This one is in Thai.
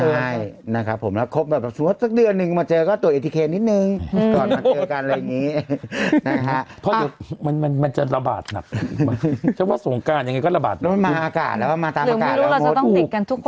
ย่อยสลายได้ที่แบบว่าตั้งไว้สมมติ